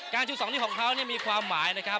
การชูสองนิ้วของเขาเนี่ยมีความหมายนะครับ